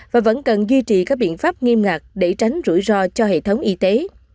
và vẫn cần duy trì các biện pháp nghiêm ngặt để tránh rủi ro cho hệ thống y tế